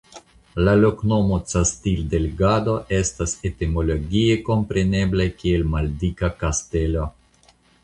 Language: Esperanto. La loknomo "Castildelgado" estas etimologie komprenebla kiel "Maldika Kastelo".